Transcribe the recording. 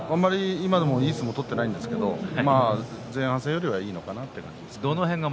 今でも、いい相撲は取っていないんですけど前半戦よりはいいのかなと。